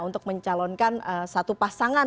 untuk mencalonkan satu pasangan